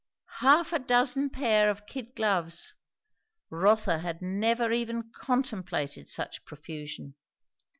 Half a dozen pair of kid gloves! Rotha had never even contemplated such profusion.